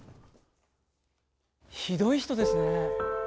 ひどい人ですね。